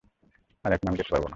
আর এখন আমি যেতে পারব না।